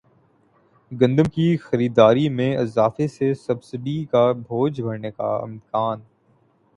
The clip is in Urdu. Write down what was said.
گندم کی خریداری میں اضافے سے سبسڈی کا بوجھ بڑھنے کا امکان